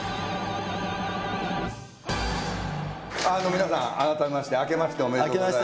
皆さん改めまして明けましておめでとうございます。